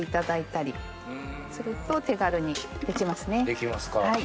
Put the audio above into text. できますか。